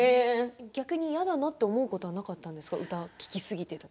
逆に嫌だなと思うことはなかったんですか？